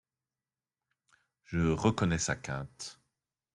Je reconnais sa quinte.